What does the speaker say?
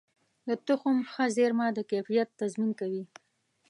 د تخم ښه زېرمه د کیفیت تضمین کوي.